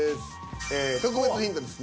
特別ヒントです。